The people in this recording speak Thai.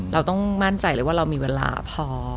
เราต้องมั่นใจเลยว่าเรามีเวลาพอ